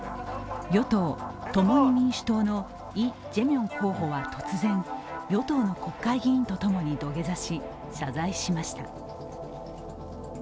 与党・共に民主党のイ・ジェミョン候補は突然、与党の国会議員とともに土下座し、謝罪しました。